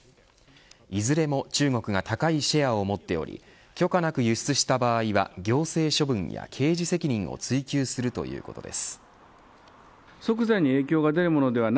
いずれも中国が高いシェアを持っており許可なく輸出した場合は行政処分や刑事責任を追及するということです。